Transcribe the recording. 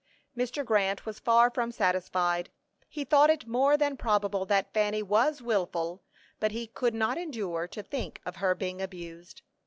Mr. Grant was far from satisfied; he thought it more than probable that Fanny was wilful, but he could not endure to think of her being abused.